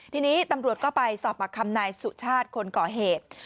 ทีนี้ตำรวจก็ไปสอบปากคำนายสุชาติคนก่อเหตุ